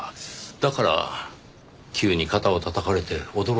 だから急に肩をたたかれて驚いた。